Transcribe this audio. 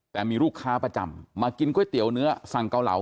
แต่มีลูกค้าประจำมากินก๋วยเตี๋ยวเนื้อสั่งเกาเหลา